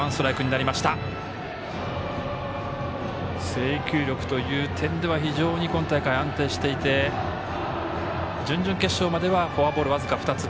制球力という点では非常に今大会、安定していて準々決勝まではフォアボール僅か２つ。